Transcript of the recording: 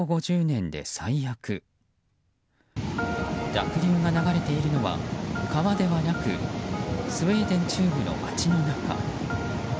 濁流が流れているのは川ではなくスウェーデン中部の町の中。